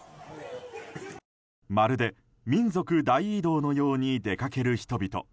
まるで民族大移動のように出かける人々。